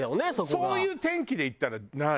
そういう転機でいったら何？